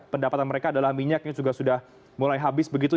pendapatan mereka adalah minyaknya juga sudah mulai habis begitu